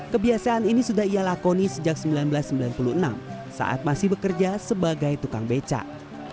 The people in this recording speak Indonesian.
kebiasaan ini sudah ia lakoni sejak seribu sembilan ratus sembilan puluh enam saat masih bekerja sebagai tukang becak